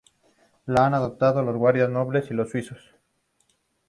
La han adoptado los guardias nobles y los suizos.